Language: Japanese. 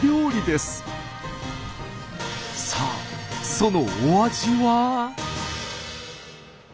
さあそのお味は？